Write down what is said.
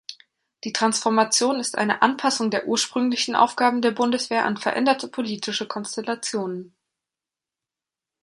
Die Transformation ist eine Anpassung der ursprünglichen Aufgaben der Bundeswehr an veränderte politische Konstellationen.